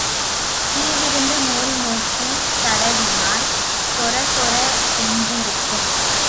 கீழிருந்து மேல் நோக்கித் தடவினால் சொரசொர என்றிருக்கும்.